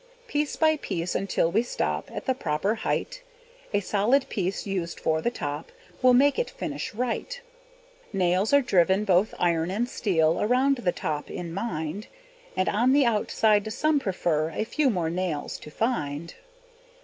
Piece by piece, until we stop At the proper height; A solid piece used for the top Will make it finish right. Nails are driven, both iron and steel, Around the top, in mind, And on the outside some prefer A few more nails to find.